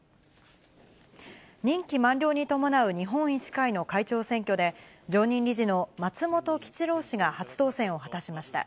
任期満了に伴う日本医師会の会長選挙で、常任理事の松本吉郎氏が初当選を果たしました。